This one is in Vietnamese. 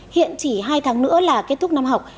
hiện chỉ hai tháng nữa là kết thúc năm học